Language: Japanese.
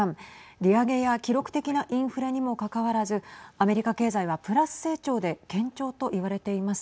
利上げや記録的なインフレにもかかわらずアメリカ経済はプラス成長で堅調と言われています。